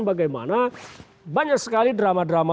bagaimana banyak sekali drama drama